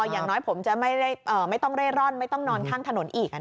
อย่างน้อยผมจะไม่ต้องเร่ร่อนไม่ต้องนอนข้างถนนอีก